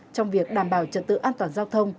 trong việc đảm bảo trật tự an toàn giao thông